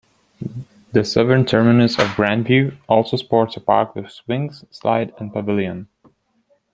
The southern terminus of Grandview also sports a park with swings, slide, and pavilion.